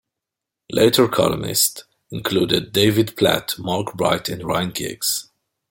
Later columnists included David Platt, Mark Bright and Ryan Giggs.